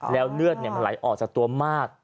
แล้วเลือดมันไหลออกจากตัวมาก